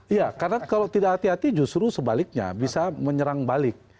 iya karena kalau tidak hati hati justru sebaliknya bisa menyerang balik